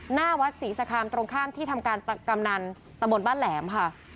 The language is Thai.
หน้าวัดศรีสคามตรงข้ามที่ทำการกำนันตะบนบ้านแหลมค่ะ